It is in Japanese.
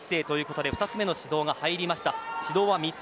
消極的な攻撃性ということで２つ目の指導が入りました。